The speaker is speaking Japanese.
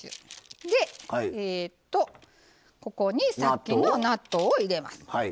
でここにさっきの納豆を入れます。